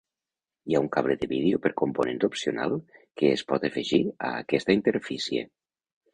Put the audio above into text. Hi ha un cable de vídeo per components opcional que es pot afegir a aquesta interfície.